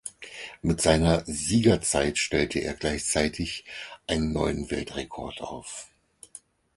Mit seiner Siegerzeit stellte er gleichzeitig einen neuen Weltrekord auf.